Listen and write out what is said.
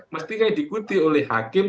mestinya diikuti oleh hakim